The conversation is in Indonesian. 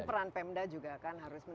dan peran pemda juga kan harus